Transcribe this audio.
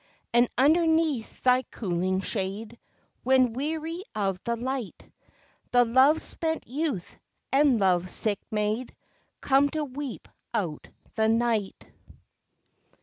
And underneath thy cooling shade, When weary of the light, The love spent youth, and love sick maid, Come to weep out the night.